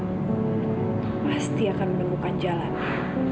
pasti akan menemukan jalannya